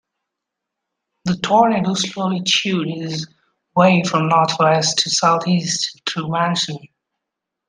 The tornado slowly chewed its way from northwest to southeast through Manson.